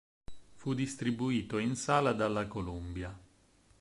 Fu distribuito in sala dalla Columbia.